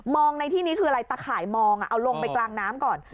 ในที่นี้คืออะไรตะข่ายมองเอาลงไปกลางน้ำก่อน